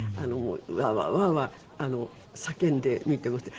ワーワーワーワー叫んで見てまして。